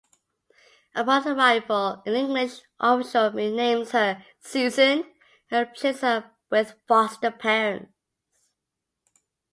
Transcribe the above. Upon arrival, an English official renames her "Susan" and places her with foster parents.